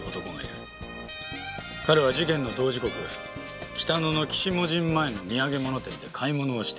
彼は事件の同時刻北野の鬼子母神前の土産物店で買い物をしていた。